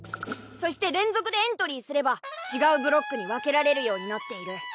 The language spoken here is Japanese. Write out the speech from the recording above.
そして連続でエントリーすれば違うブロックに分けられるようになっている。